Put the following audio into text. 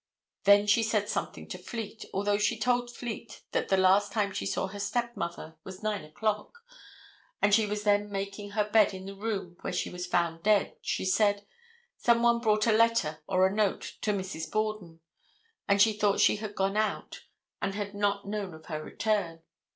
Then she said something to Fleet. Although she told Fleet that the last time she saw her stepmother was 9 o'clock, and she was then making her bed in the room where she was found dead, she said, "some one brought a letter or a note to Mrs. Borden," and she thought she had gone out, and had not known of her return.